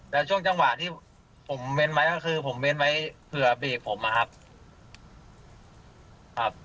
แต่ช่วงจังหวะที่ผมเม้นไว้ก็คือผมเน้นไว้เผื่อเบรกผมอะครับครับ